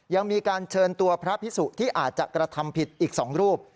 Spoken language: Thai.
ยังมีการเชิญตัวพระพิสุที่อาจจะกระทำผิดอีก๒รูป